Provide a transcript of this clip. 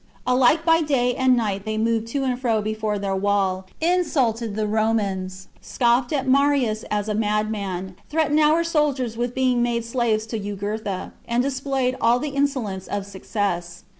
Alike by day and night they moved to and fro before their wall, insulted the Romans, scoffed at Marius as a madman, threatened our soldiers with being made slaves to Jugurtha, and displayed all the insolence of success.